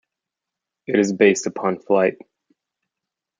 It is based upon Flite.